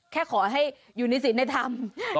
แค่ขอให้อยู่ในศิลป์นิธรรม